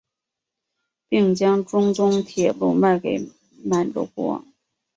并将中东铁路卖给满洲国。